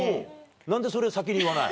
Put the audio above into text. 何でそれ先に言わない？